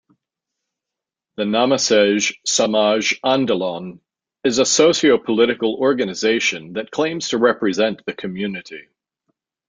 The Namassej Samaj Andolon is a socio-political organisation that claims to represent the community.